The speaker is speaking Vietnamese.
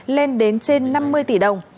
lên đến trên năm mươi tỷ đồng